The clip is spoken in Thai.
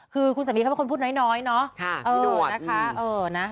คือคุณสามีเขาเป็นคนพูดน้อยเนาะเออนะคะเออนะ